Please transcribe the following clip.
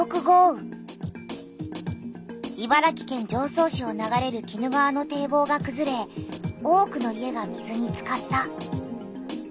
茨城県常総市を流れる鬼怒川の堤防がくずれ多くの家が水につかった。